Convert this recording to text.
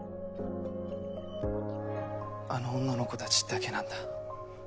あの女の子たちだけなんだ。